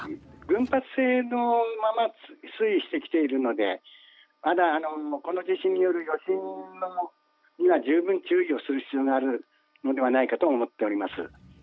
群発性のまま推移してきているのでまだこの地震による余震には十分注意する必要があるのではないかと思っています。